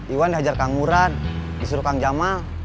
iwan dihajar kang ngurat disuruh kang jamal